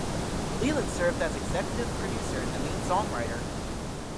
Leland served as executive producer and the main songwriter.